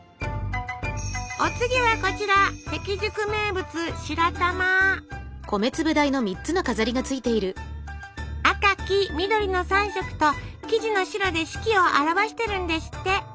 お次はこちら関宿名物赤黄緑の３色と生地の白で四季を表してるんですって！